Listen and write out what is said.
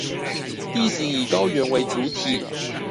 地形以高原為主體